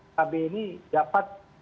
kb ini dapat